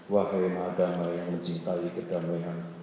wahai maha damai yang mencintai kedamaian